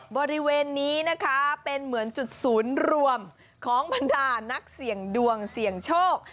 บริเวณนี้นะคะเป็นเหมือนจุดศูนย์รวมของบรรดานักเสี่ยงดวงเสี่ยงโชค